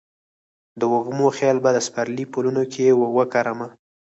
د وږمو خیال به د سپرلي پلونو کې وکرمه